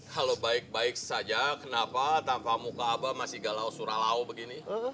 kalau baik baik saja kenapa tanpa muka abah masih galau surah lau begini